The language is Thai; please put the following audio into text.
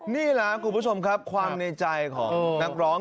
นี่แหละครับคุณผู้ชมครับความในใจของนักร้อง